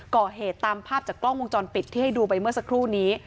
ก่อเหตุตามภาพจากกล้องวงจรปิดที่ให้ดูไปเมื่อสักครู่นี้